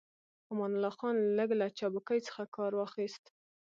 امان الله خان لږ له چابکۍ څخه کار واخيست.